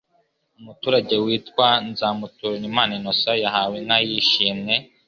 Umuturage witwa Nzamuturimana Innocent yahawe inka yishimwe